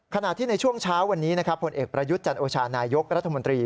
ขณะที่ในช่วงเช้าวันนี้นะครับผลเอกประยุทธ์จันโอชานายกรัฐมนตรี